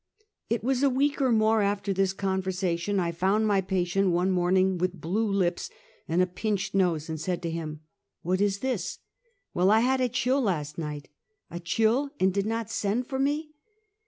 It was a week or more after this conversation I found my patient, one morning, with blue lips and a pinched nose, and said to him: "What is this?" " Well, I had a chill last night." "A chill and did not send for me?"